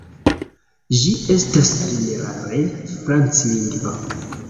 Ĝi estas ĝenerale franclingva.